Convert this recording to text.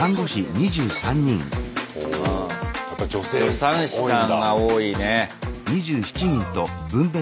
助産師さんが多いね。